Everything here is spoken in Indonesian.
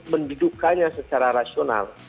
mendudukannya secara rasional